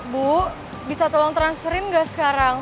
bu bisa tolong transferin nggak sekarang